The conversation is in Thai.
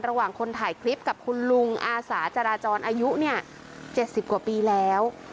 ระหว่างคนถ่ายคลิปกับคุณลุงอาสาจราจรอายุ๗๐กว่าปีแล้ว